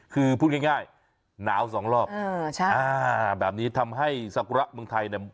คือพูดง่ายหนาวสองรอบแบบนี้ทำให้สากุระเมืองไทยเนี่ย